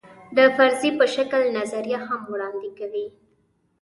د فرضیې په شکل نظریه هم وړاندې کوي.